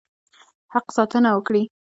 حق ساتنه وکړي.